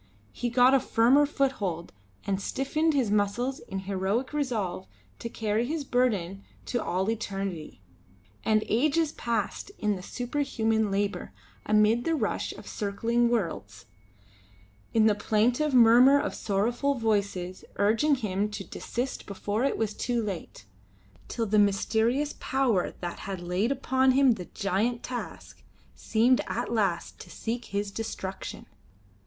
He got a firmer foothold and stiffened his muscles in heroic resolve to carry his burden to all eternity. And ages passed in the superhuman labour, amidst the rush of circling worlds; in the plaintive murmur of sorrowful voices urging him to desist before it was too late till the mysterious power that had laid upon him the giant task seemed at last to seek his destruction.